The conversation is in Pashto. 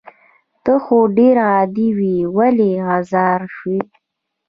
ته خو ډير عادي وي ولې غدار شوي